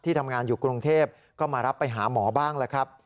ทำงานอยู่กรุงเทพก็มารับไปหาหมอบ้างแล้วครับ